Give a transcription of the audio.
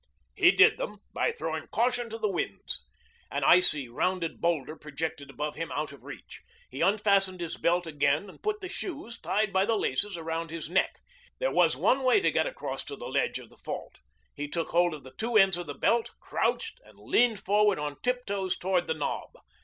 He did them, by throwing caution to the winds. An icy, rounded boulder projected above him out of reach. He unfastened his belt again and put the shoes, tied by the laces, around his neck. There was one way to get across to the ledge of the fault. He took hold of the two ends of the belt, crouched, and leaned forward on tiptoes toward the knob.